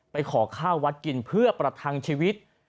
ขอข้าววัดกินเพื่อประทังชีวิต